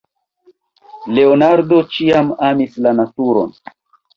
Leonardo ĉiam amis la naturon.